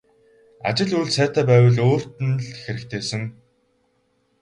Ажил үйл сайтай байвал өөрт нь л хэрэгтэйсэн.